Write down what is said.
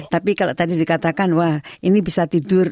tapi kalau tadi dikatakan wah ini bisa tidur